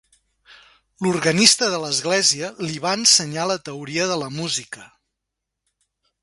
L'organista de l'església li va ensenyar la teoria de la música.